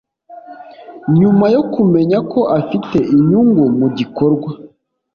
Nyuma yo kumenya ko afite inyungu mu gikorwa